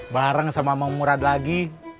bareng sama mam murad lagi